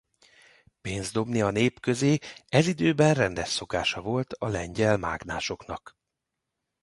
Pénzt dobni a nép közé ez időben rendes szokása volt a lengyel mágnásoknak.